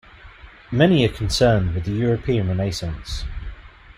Many are concerned with the European Renaissance.